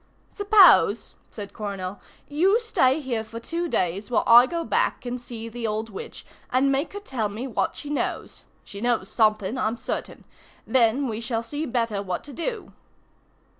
"Suppose," said Coronel, "you stay here for two days while I go back and see the old witch, and make her tell me what she knows. She knows something, I'm certain. Then we shall see better what to do."